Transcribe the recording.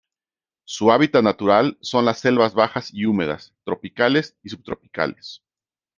Su hábitat natural son las selvas bajas y húmedas tropicales y subtropicales.